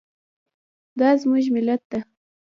دا زموږ ملت ده